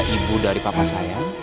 ibu dari papa saya